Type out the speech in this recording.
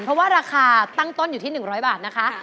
เพราะว่าราคาตั้งต้นอยู่ที่๑๐๐บาทนะคะ